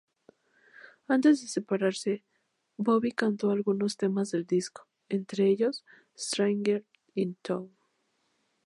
Antes de separarse, Bobby cantó algunos temas del disco, entre ellos "Stranger in town".